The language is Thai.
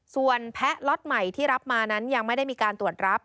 ส่วนแพะล็อตใหม่ที่รับมานั้นยังไม่ได้มีการตรวจรับ